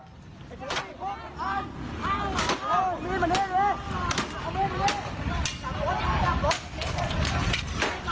เฮ้ยระเบิดอยู่ในนั่นลูกหนึ่ง